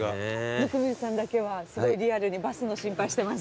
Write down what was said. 温水さんだけはすごいリアルにバスの心配してます。